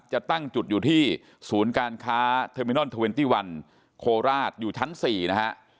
จะตั้งจุดอยู่ที่ศูนย์การค้าเทอร์มินอล๒๑โคราชอยู่ชั้น๔นะฮะ